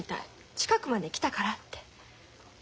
近くまで来たからって。